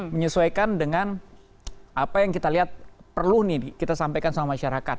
menyesuaikan dengan apa yang kita lihat perlu nih kita sampaikan sama masyarakat